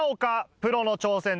プロの挑戦です。